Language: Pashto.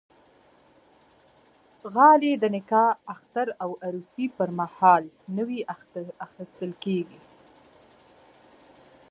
غالۍ د نکاح، اختر او عروسي پرمهال نوی اخیستل کېږي.